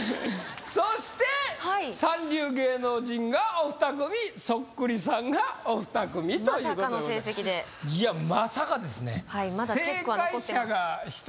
そして三流芸能人がお二組そっくりさんがお二組というまさかの成績でいやまさかですね